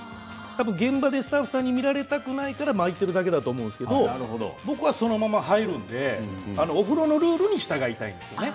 現場でスタッフさんに見られたくないから巻いているだけだと思うんですけれど僕はそのまま入るのでお風呂のルールに従いたいですね。